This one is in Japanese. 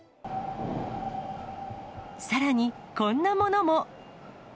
さらに、こんなものも。